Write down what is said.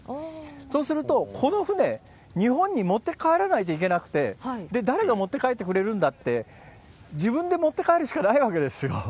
そうすると、この船、日本に持って帰らないといけなくて、誰が持って帰ってくれるんだって、自分で持って帰るしかないわけですよ。